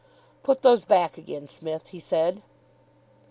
"Put those back again, Smith," he said.